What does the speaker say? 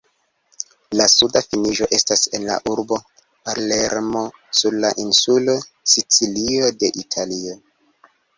La suda finiĝo estas en la urbo Palermo sur la insulo Sicilio de Italio.